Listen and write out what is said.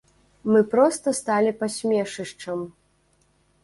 Мы проста сталі пасмешышчам.